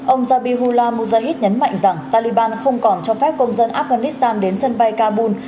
ông jabi hullah mujahid nhấn mạnh rằng taliban không còn cho phép công dân afghanistan đến sân bay kabul